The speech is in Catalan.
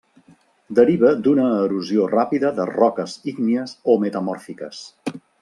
Deriva d'una erosió ràpida de roques ígnies o metamòrfiques.